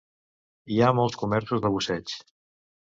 Hi ha molts comerços de busseig.